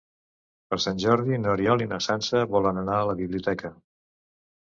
Per Sant Jordi n'Oriol i na Sança volen anar a la biblioteca.